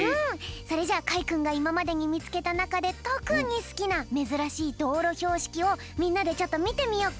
それじゃあかいくんがいままでにみつけたなかでとくにすきなめずらしいどうろひょうしきをみんなでちょっとみてみよっか。